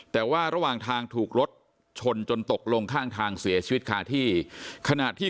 แต่ว่าระหว่างทางถูกรถชนจนตกลงข้างทางเสียชีวิตคาที่ขณะที่